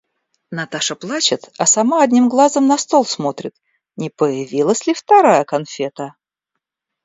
Наташа плачет, а сама одним глазом на стол смотрит, не появилась ли вторая конфета.